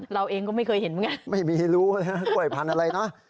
เราเองก็ไม่เคยเห็นเหมือนกันไม่มีรู้เลยฮะกล้วยพันธุ์อะไรนะ